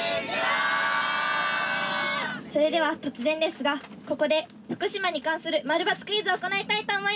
それでは突然ですがここで福島に関するマルバツクイズを行いたいと思います！